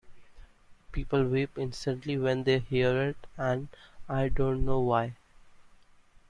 People weep instantly when they hear it, and I don't know why.